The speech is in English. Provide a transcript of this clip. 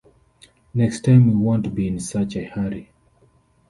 Next time we won't be in such a hurry.